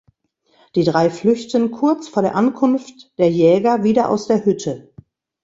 Die drei flüchten kurz vor der Ankunft der Jäger wieder aus der Hütte.